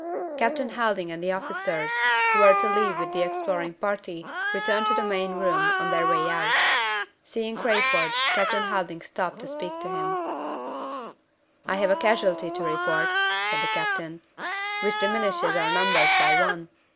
Captain Helding and the officers who were to leave with the exploring party returned to the main room on their way out. Seeing Crayford, Captain Helding stopped to speak to him. "I have a casualty to report," said the captain, "which diminishes our numbers by one.